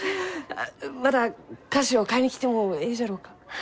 また菓子を買いに来てもえいじゃろうか？